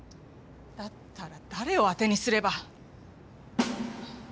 だったら誰を当てにすれば。